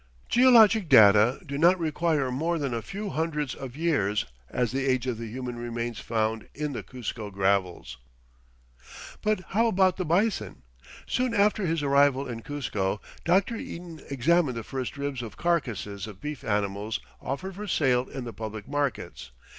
"Geologic data do not require more than a few hundreds of years as the age of the human remains found in the Cuzco gravels." But how about the "bison"? Soon after his arrival in Cuzco, Dr. Eaton examined the first ribs of carcasses of beef animals offered for sale in the public markets.